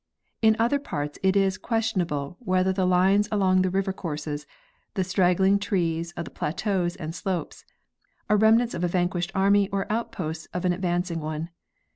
In other parts it is questionable whether the lines along the river courses, the straggling trees on the plateaus and slopes, are remnants of a vanquished army or outposts of an advancing one.